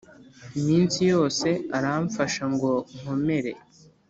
Iminsi yose aramfasha ngo nkomere